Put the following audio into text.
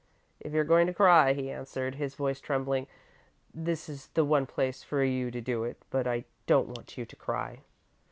"If you're going to cry," he answered, his voice trembling, "this is the one place for you to do it, but I don't want you to cry."